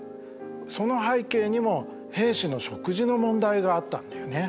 その背景にも兵士の食事の問題があったんだよね。